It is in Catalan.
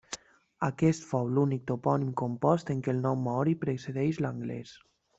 Aquest fou l'únic topònim compost en què el nom maori precedeix l'anglès.